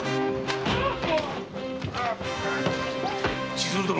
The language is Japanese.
千鶴殿！